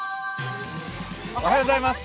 おはようございます。